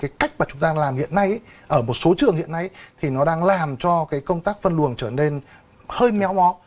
cái cách mà chúng ta làm hiện nay ở một số trường hiện nay thì nó đang làm cho cái công tác phân luồng trở nên hơi méo mó